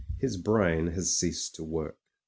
His brain has ceased to work. .